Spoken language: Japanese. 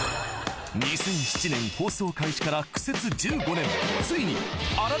２００７年放送開始から苦節１５年